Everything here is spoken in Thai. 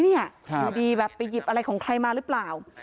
อยู่ดีแบบไปหยิบอะไรของใครมาหรือเปล่า